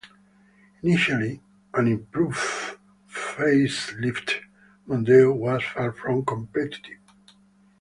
Initially, an improved facelifted Mondeo was far from competitive.